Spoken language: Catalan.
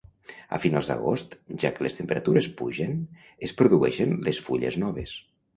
A finals d'agost, ja que les temperatures pugen, es produeixen les fulles noves.